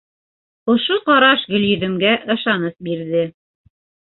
Ошо ҡараш Гөлйөҙөмгә ышаныс бирҙе.